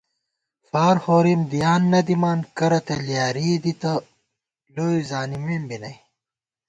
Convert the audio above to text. فار ہورِم دیان نہ دِمان کرہ تہ لیارِئےدِتہ لوئےزانِمېم بی نئ